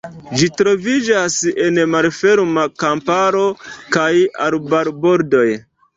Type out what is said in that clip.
Ĝi troviĝas en malferma kamparo kaj arbarbordoj.